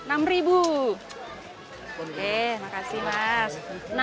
oke makasih mas